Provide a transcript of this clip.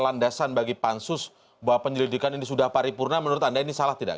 landasan bagi pansus bahwa penyelidikan ini sudah paripurna menurut anda ini salah tidak